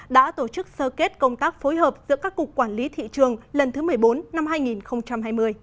đã tổ chức sơ kết công tác phối hợp giữa các cục quản lý thị trường lần thứ một mươi bốn năm hai nghìn hai mươi